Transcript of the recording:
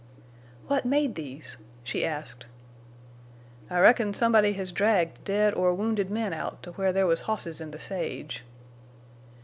"What made these?" she asked. "I reckon somebody has dragged dead or wounded men out to where there was hosses in the sage."